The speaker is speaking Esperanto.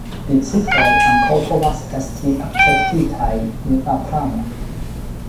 Bicikloj ankaŭ povas esti akceptitaj en la pramo.